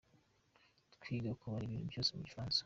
Twiga kubara ibintu byose mu gifaransa.